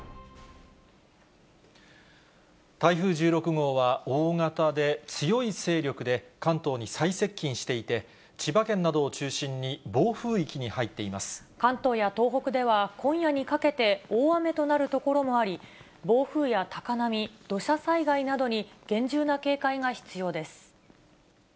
台風１６号は、大型で強い勢力で関東に最接近していて、千葉県などを中心に、関東や東北では、今夜にかけて大雨となる所もあり、暴風や高波、土砂災害などに厳重な警戒が必要です。